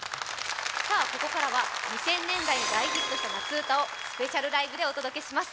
ここからは２０００代に大ヒットした夏うたをスペシャルライブでお届けします。